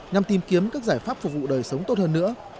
nhằm tìm kiếm các giải pháp phục vụ đời sống tốt hơn nữa